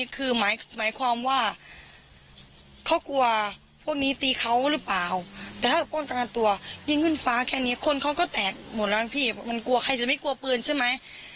กับมันกลัวใครจะไม่กลัวปืนใช่ไหม